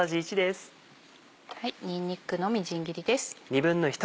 にんにくのみじん切りです。